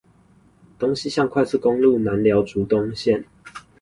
東西向快速公路南寮竹東線